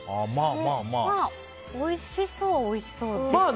おいしそうはおいしそうですけど。